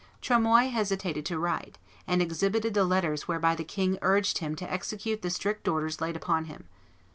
Tremoille hesitated to write, and exhibited the letters whereby the king urged him to execute the strict orders laid upon him.